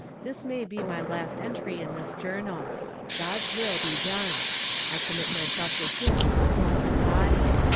This may be my last entry in this journal. God's will be done. I commit myself to Him, soul and body.